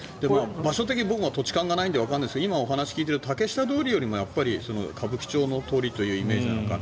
場所的に僕は土地勘がないのでわからないんですが今、お話を聞いていて竹下通りより歌舞伎町の通りというイメージなのか。